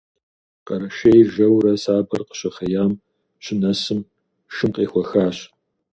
Къэрэшейр жэурэ сабэр къыщыхъеям щынэсым, шым къехуэхащ.